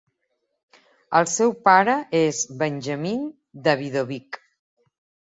El seu pare és Benjamin Davidovich.